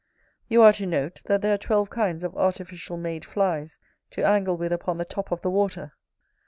You are to note, that there are twelve kinds of artificial made Flies, to angle with upon the top of the water.